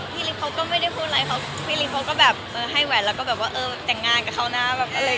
พี่ริกผมก็ไม่ได้พูดอะไรเพราะพี่ริกก็แบบให้แหวนแล้วก็แบบว่าแต่งงานกับเขาหน้า